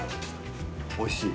おいしい？